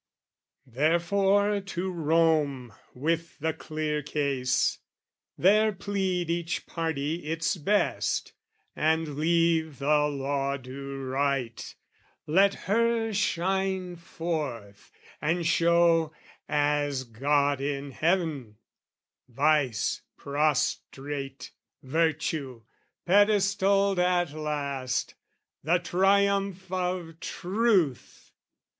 Therefore to Rome with the clear case; there plead Each party its best, and leave the law do right, Let her shine forth and show, as God in heaven, Vice prostrate, virtue pedestalled at last, The triumph of truth!